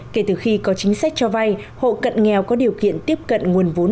kể từ khi có chính sách cho vay hộ cận nghèo có điều kiện tiếp cận nguồn vốn